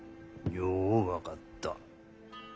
よう分かった。